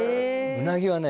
うなぎはね